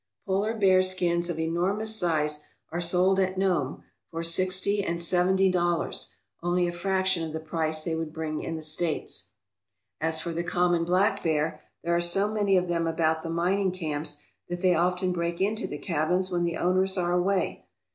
Polar bear skins of enormous size are sold at Nome for sixty and 267 ALASKA OUR NORTHERN WONDERLAND seventy dollars, only a fraction of the price they would bring in the States. As for the common black bear, there are so many of them about the mining camps that they often break into the cabins when the owners are away.